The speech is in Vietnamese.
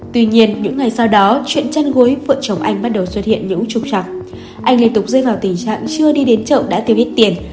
tuy nhiên những ngày sau đó chuyện tranh gối vợ chồng anh bắt đầu xuất hiện những trục trặc anh liên tục rơi vào tình trạng chưa đi đến chợ đã tiêu ít tiền